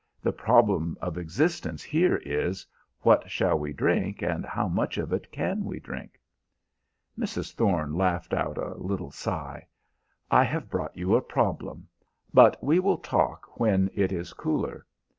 The problem of existence here is, What shall we drink, and how much of it can we drink?" Mrs. Thorne laughed out a little sigh. "I have brought you a problem. But we will talk when it is cooler.